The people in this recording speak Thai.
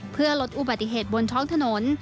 เพื่อลดอุบัติเหตุบนท้องถนน